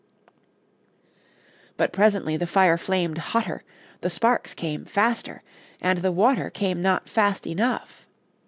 But presently the fire flamed hotter, the sparks came faster, and the water came not fast enough.